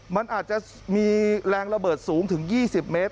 มันอาจจะมีแรงระเบิดสูงถึง๒๐เมตร